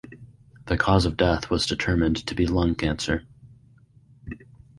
The cause of death was determined to be lung cancer.